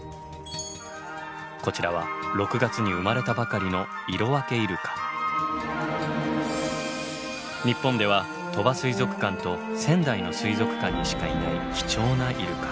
こちらは６月に生まれたばかりの日本では鳥羽水族館と仙台の水族館にしかいない貴重なイルカ。